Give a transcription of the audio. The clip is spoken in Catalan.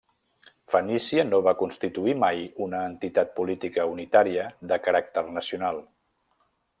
Fenícia no va constituir mai una entitat política unitària de caràcter nacional.